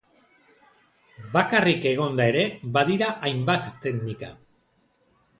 Bakarrik egonda ere, badira hainbat teknika.